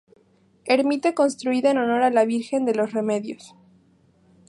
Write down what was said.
Ermita construida en honor a la Virgen de los Remedios.